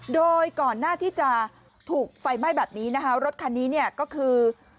โดยก่อนหน้าที่จะถูกไฟไหม้แบบนี้นะคะรถคันนี้เนี่ยก็คือ